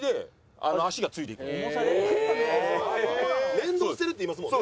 連動してるって言いますもんね。